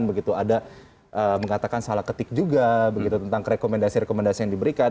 begitu ada mengatakan salah ketik juga begitu tentang rekomendasi rekomendasi yang diberikan